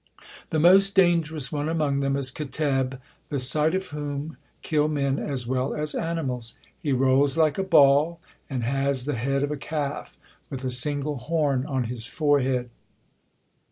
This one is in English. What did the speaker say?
The most dangerous one among them is Keteb, the sight of whom kill men as well as animals. He rolls like a ball and had the head of a calf with a single horn on his forehead.